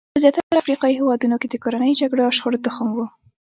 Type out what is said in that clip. دا په زیاترو افریقایي هېوادونو کې د کورنیو جګړو او شخړو تخم وو.